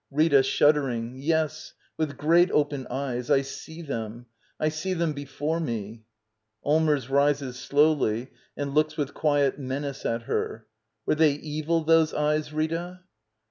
Rita. [Shuddering.] Yes, with great, open eyes. I see them! I see them before, me! Allmers. [Rises slowly and looks with quiet menace at her.] Were they evil, those eyes, Rita?